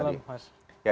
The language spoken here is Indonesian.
selamat malam mas